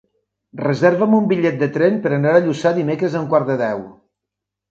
Reserva'm un bitllet de tren per anar a Lluçà dimecres a un quart de deu.